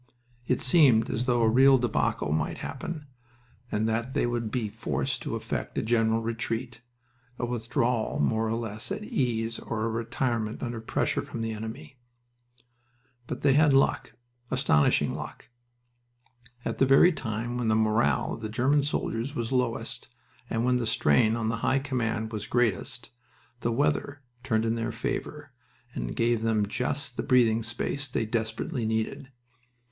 It seemed as though a real debacle might happen, and that they would be forced to effect a general retreat a withdrawal more or less at ease or a retirement under pressure from the enemy.... But they had luck astonishing luck. At the very time when the morale of the German soldiers was lowest and when the strain on the High Command was greatest the weather turned in their favor and gave them just the breathing space they desperately needed.